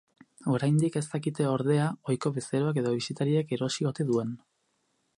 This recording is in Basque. Oraindik ez dakite, ordea, ohiko bezeroek edo bisitariek erosi ote duen.